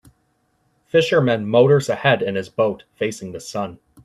fisherman motors ahead in his boat, facing the sun